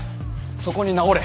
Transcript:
そこに直れ！